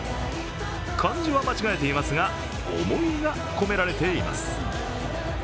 漢字は間違えていますが思いが込められています。